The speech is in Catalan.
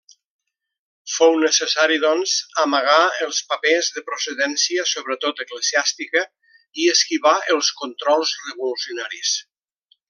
Fou necessari doncs, amagar els papers de procedència sobretot eclesiàstica, i esquivar els controls revolucionaris.